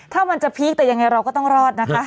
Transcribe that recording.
ถ้ามันจะพีคแต่ยังไงเราก็ต้องรอดนะคะ